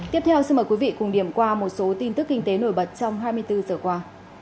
tiếp theo xin mời quý vị cùng điểm qua một số tin tức kinh tế nổi bật trong hai mươi bốn giờ qua